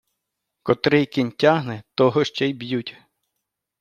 Котрий кінь тягне, того ще й б'ють.